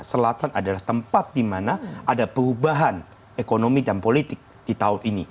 selatan adalah tempat di mana ada perubahan ekonomi dan politik di tahun ini